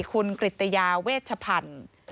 คุณกริตยาเวชพันธุ์